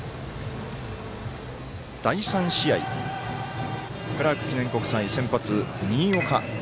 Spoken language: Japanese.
第３試合、クラーク記念国際先発、新岡。